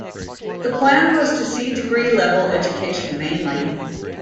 The plan was to see degree level education mainly.